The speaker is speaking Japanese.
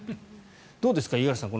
どうですか五十嵐さん